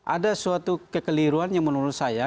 ada suatu kekeliruan yang menurut saya